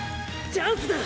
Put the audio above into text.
チャンスだ！